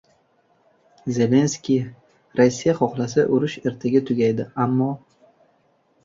Zelenskiy: "Rossiya xohlasa, urush ertaga tugaydi. Ammo..."